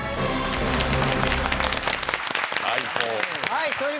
はい。